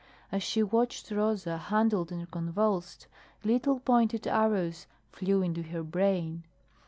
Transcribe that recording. As she watched Rosa, huddled and convulsed, little pointed arrows flew into her brain.